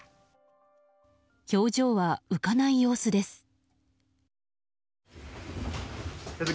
表情は浮かない様子です。